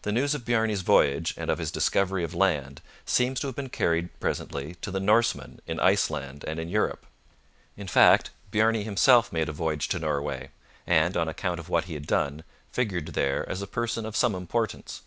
The news of Bjarne's voyage and of his discovery of land seems to have been carried presently to the Norsemen in Iceland and in Europe. In fact, Bjarne himself made a voyage to Norway, and, on account of what he had done, figured there as a person of some importance.